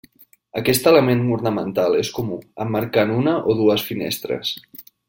Aquest element ornamental és comú, emmarcant una o dues finestres.